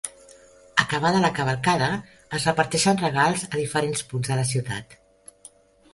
Acabada la cavalcada es reparteixen regals a diferents punts de la ciutat.